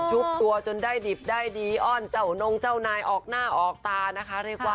บตัวจนได้ดิบได้ดีอ้อนเจ้านงเจ้านายออกหน้าออกตานะคะ